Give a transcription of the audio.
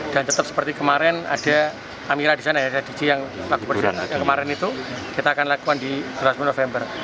dan tetap seperti kemarin ada amir adisan dan adi adici yang lakukan perjalanan kemarin itu kita akan lakukan di glora sepuluh november